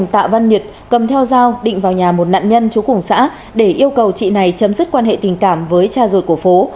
tạ văn nhật cầm theo dao định vào nhà một nạn nhân chú cùng xã để yêu cầu chị này chấm dứt quan hệ tình cảm với cha ruột của phú